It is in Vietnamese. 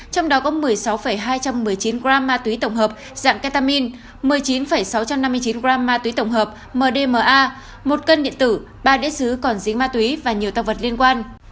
trong đó có một mươi sáu hai trăm một mươi chín gram ma túy tổng hợp dạng ketamin một mươi chín sáu trăm năm mươi chín gram ma túy tổng hợp mdma một cân điện tử ba đĩa xứ còn dính ma túy và nhiều tăng vật liên quan